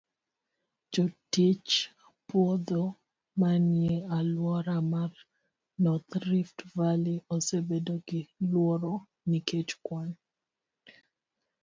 Jotich puodho manie alwora mar North Rift Valley osebedo gi luoro nikech kwan